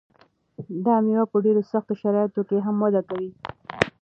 دا مېوه په ډېرو سختو شرایطو کې هم وده کوي.